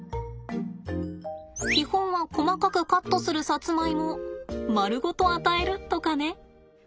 基本は細かくカットするサツマイモを丸ごと与えるとかね。